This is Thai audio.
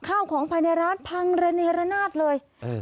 ข้าวของภายในร้านพังระเนระนาดเลย